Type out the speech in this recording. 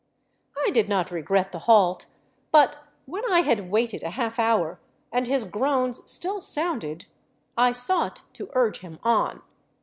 I did not regret the halt, but when I had waited a half hour and his groans still sounded, I sought to urge him on.